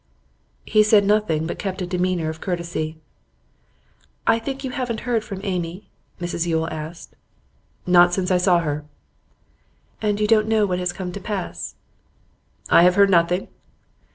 He said nothing, but kept a demeanour of courtesy. 'I think you haven't heard from Amy?' Mrs Yule asked. 'Not since I saw her.' 'And you don't know what has come to pass?' 'I have heard of nothing.